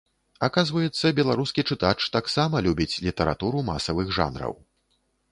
Аказваецца, беларускі чытач таксама любіць літаратуру масавых жанраў.